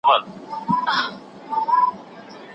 اختر د بل، روژه د بل، آذان د بل په حکم